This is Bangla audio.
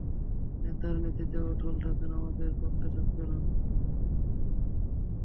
নেতার নীতিতে অটল থাকলে, আমাদের রক্ষে থাকবে না।